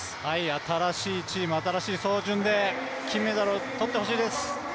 新しいチーム新しい走順で金メダルをとってほしいです。